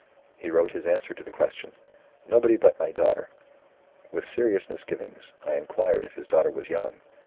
He wrote his answer to the question: 'Nobody but my daughter.' With serious misgivings, I inquired if his daughter was young.